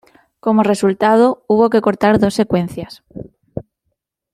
Como resultado, hubo que cortar dos secuencias.